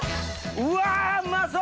うわうまそう！